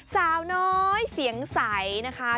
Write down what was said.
สาวน้อยเสียงใสนะคะ